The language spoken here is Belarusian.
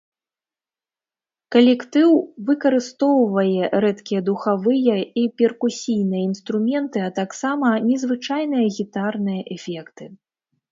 Калектыў выкарыстоўвае рэдкія духавыя і перкусійныя інструменты, а таксама незвычайныя гітарныя эфекты.